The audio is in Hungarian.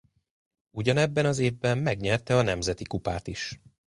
Ugyanebben az évben megnyerte a nemzeti kupát is.